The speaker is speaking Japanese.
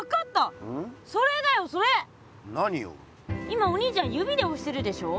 今お兄ちゃん指でおしてるでしょ。